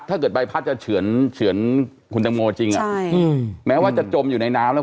ถ้าเกิดใบพัดจะเฉือนคุณตังโมจริงแม้ว่าจะจมอยู่ในน้ำแล้ว